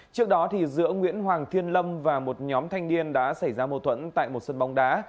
trước đó giữa nguyễn hoàng thiên lâm và một nhóm thanh niên đã xảy ra mâu thuẫn tại một sân bóng đá